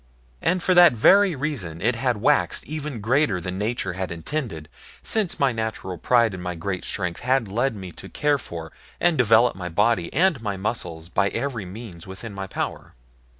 And for that very reason it had waxed even greater than nature had intended, since my natural pride in my great strength had led me to care for and develop my body and my muscles by every means within my power.